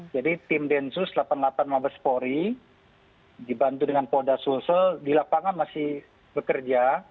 jadi tim densus delapan puluh delapan mabespori dibantu dengan poda sulsel di lapangan masih bekerja